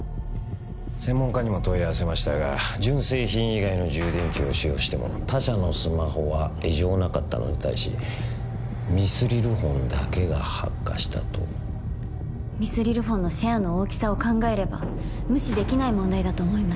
専門家にも問い合わせましたが純正品以外の充電器を使用しても他社のスマホは異常なかったのに対しミスリルフォンだけが発火したとミスリルフォンのシェアの大きさを考えれば無視できない問題だと思います